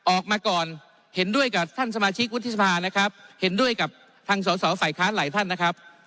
ออกมาก่อนเห็นด้วยกับท่านสมาชิกวุฒิสภานะครับเห็นด้วยกับทางสอสอฝ่ายค้านหลายท่านนะครับ